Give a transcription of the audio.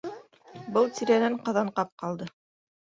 Был тирәнән Ҡаҙанҡап ҡалды.